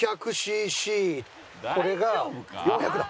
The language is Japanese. これが４００だ！